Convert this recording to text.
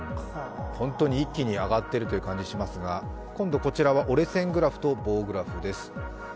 本当に一気に上がっているという感じがしますが今度、こちらは折れ線グラフと棒グラフです。